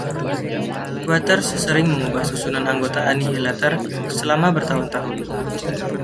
Waters sering mengubah susunan anggota Annihilator selama bertahun-tahun.